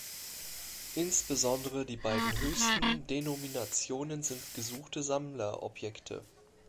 Insbesondere die beiden höchsten Denominationen sind gesuchte Sammlerobjekte.